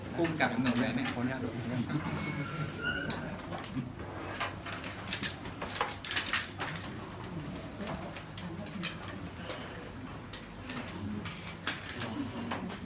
กุ้มกับยังไงแม่ของอยากดู